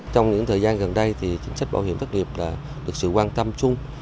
trong những thời gian gần đây chính sách bảo hiểm thất nghiệp được sự quan tâm chung